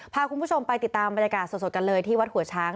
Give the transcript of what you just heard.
พาคุณผู้ชมไปติดตามบรรยากาศสดกันเลยที่วัดหัวช้าง